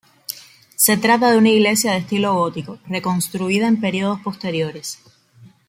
Se trata de una iglesia de estilo gótico, reconstruida en períodos posteriores.